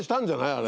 あれ。